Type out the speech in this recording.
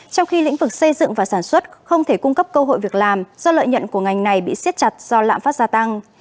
trong khi lĩnh vực xây dựng và sản xuất không thể cung cấp cơ hội việc làm do lợi nhận của ngành này bị siết chặt do lạm phát gia tăng